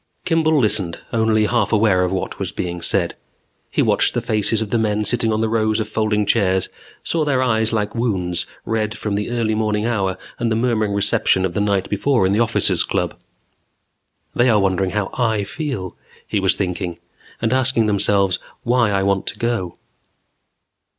Kimball listened, only half aware of what was being said. He watched the faces of the men sitting on the rows of folding chairs, saw their eyes like wounds, red from the early morning hour and the murmuring reception of the night before in the Officers' Club. They are wondering how I feel, he was thinking. And asking themselves why I want to go.